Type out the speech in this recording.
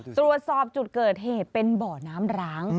ตรวจสอบจุดเกิดเหตุเป็นบ่อน้ำร้าง